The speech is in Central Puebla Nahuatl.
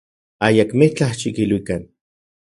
Ayakmitlaj xikiluikan.